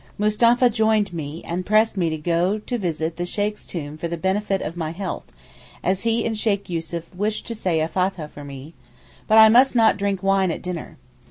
Mustapha joined me, and pressed me to go to visit the Sheykh's tomb for the benefit of my health, as he and Sheykh Yussuf wished to say a Fathah for me; but I must not drink wine at dinner.